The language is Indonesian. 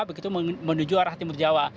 begitu menuju arah timur jawa